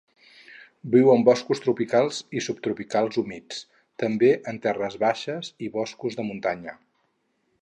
Viu en boscos tropicals i subtropicals humits, també en terres baixes i boscos de muntanya.